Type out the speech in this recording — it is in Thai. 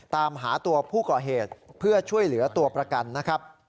ตามหาตัวผู้ก่อเหตุเพื่อช่วยเหลือตัวประกันนะครับ